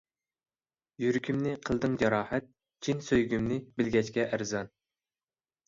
يۈرىكىمنى قىلدىڭ جاراھەت، چىن سۆيگۈمنى بىلگەچكە ئەرزان.